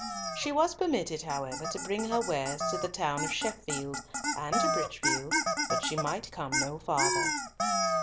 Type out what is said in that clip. She was permitted, however, to bring her wares to the town of Sheffield, and to Bridgefield, but she might come no farther.